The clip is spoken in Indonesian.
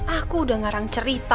aku udah ngarang cerita